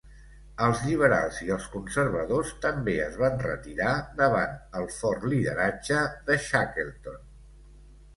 Els lliberals i els conservadors també es van retirar davant el fort lideratge de Shackleton.